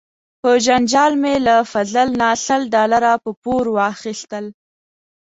په جنجال مې له فضل نه سل ډالره په پور واخیستل.